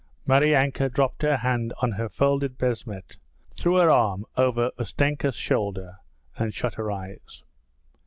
Maryanka dropped her hand on her folded beshmet, threw her arm over Ustenka's shoulder, and shut her eyes.